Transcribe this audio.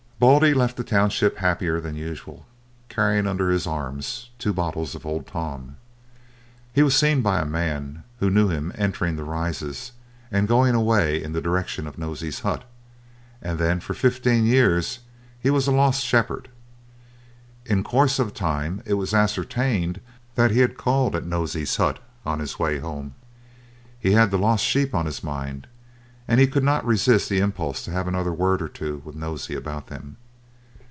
Baldy left the township happier than usual, carrying under his arm two bottles of Old Tom. He was seen by a man who knew him entering the Rises, and going away in the direction of Nosey's hut, and then for fifteen years he was a lost shepherd. In course of time it was ascertained that he had called at Nosey's hut on his way home. He had the lost sheep on his mind, and he could not resist the impulse to have another word or two with Nosey about them.